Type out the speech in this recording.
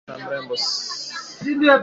Roselina ni msichana mrembo